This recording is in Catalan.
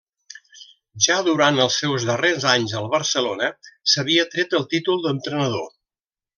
Ja durant els seus darrers anys al Barcelona s'havia tret el títol d'entrenador.